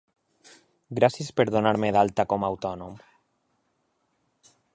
Gràcies per donar-me d'alta com a autònom.